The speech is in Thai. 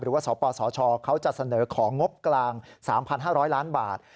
สปสชเขาจะเสนอของงบกลาง๓๕๐๐ล้านบาท